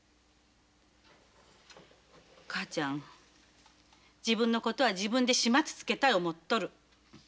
母ちゃん自分のことは自分で始末つけたい思っとる。